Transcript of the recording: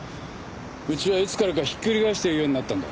うちはいつからかひっくり返して言うようになったんだ。